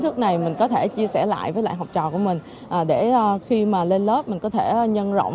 thức này mình có thể chia sẻ lại với lại học trò của mình để khi mà lên lớp mình có thể nhân rộng